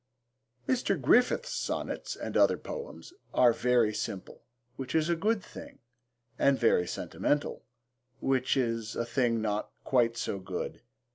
Mr. Griffiths' Sonnets and Other Poems are very simple, which is a good thing, and very sentimental, which is a thing not quite so good.